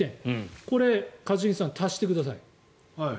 これ、一茂さん足してください。